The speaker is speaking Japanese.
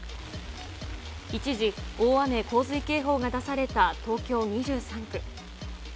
一時、大雨洪水警報が出された東京２３区。